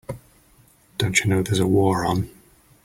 Don't you know there's a war on?